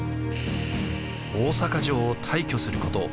大坂城を退去すること